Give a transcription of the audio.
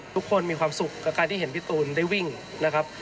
ทุกคนมีความสุขกับการที่เห็นพี่ตูนได้วิ่งนะครับ